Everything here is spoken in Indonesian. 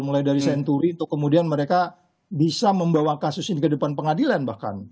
mulai dari senturi untuk kemudian mereka bisa membawa kasus ini ke depan pengadilan bahkan